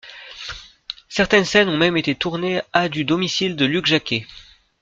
Certaines scènes ont même été tournées à du domicile de Luc Jacquet.